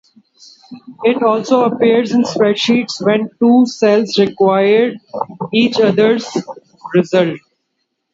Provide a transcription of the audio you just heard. It also appears in spreadsheets when two cells require each other's result.